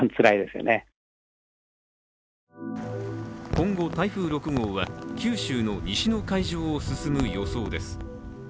今後、台風６号は九州の西の海上を進む予想です。